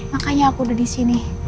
makanya aku udah di sini